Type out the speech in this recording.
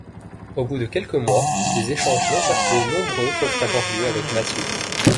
Au bout de quelques mois, des échanges non-verbaux nombreux peuvent avoir lieu avec Matthew.